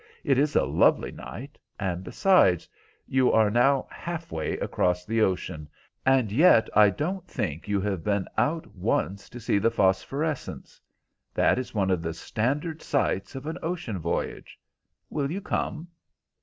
It is a lovely night, and, besides, you are now halfway across the ocean, and yet I don't think you have been out once to see the phosphorescence. That is one of the standard sights of an ocean voyage. Will you come?"